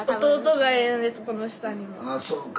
ああそうか。